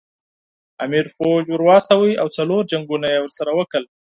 امیر پوځ ور واستاوه او څلور جنګونه یې ورسره وکړل.